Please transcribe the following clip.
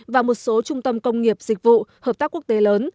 và một số trung tâm công nghiệp dịch vụ hợp tác quốc tế lớn